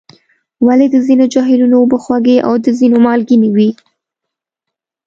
ولې د ځینو جهیلونو اوبه خوږې او د ځینو مالګینې وي؟